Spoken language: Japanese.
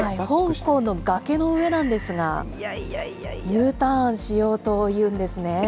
香港の崖の上なんですが、Ｕターンしようというんですね。